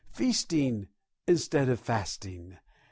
Feasting instead of fasting!